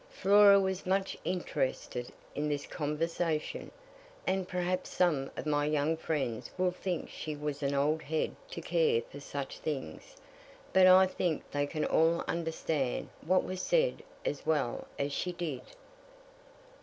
Flora was much interested in this conversation, and perhaps some of my young friends will think she was an old head to care for such things; but I think they can all understand what was said as well as she did.